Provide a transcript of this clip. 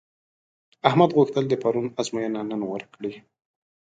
احمد غوښتل د پرون ازموینه نن ورکړي.